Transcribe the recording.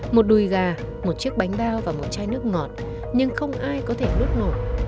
một đùi gà một chiếc bánh bao và một chai nước ngọt nhưng không ai có thể lút nổi